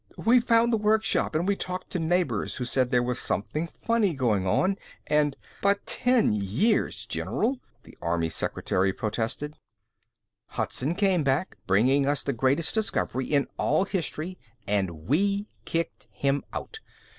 We found the workshop and we talked to neighbors who said there was something funny going on and " "But ten years, General!" the army secretary protested. "Hudson came here, bringing us the greatest discovery in all history, and we kicked him out.